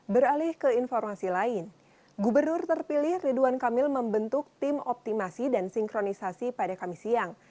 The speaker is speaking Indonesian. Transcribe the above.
beralih ke informasi lain gubernur terpilih ridwan kamil membentuk tim optimasi dan sinkronisasi pada kamis siang